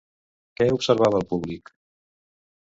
Què observava el públic?